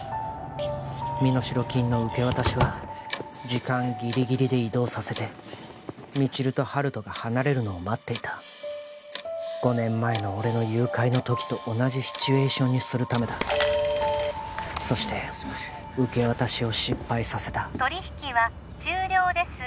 身代金の受け渡しは時間ギリギリで移動させて未知留と温人が離れるのを待っていた５年前の俺の誘拐の時と同じシチュエーションにするためだそして受け渡しを失敗させた取り引きは終了です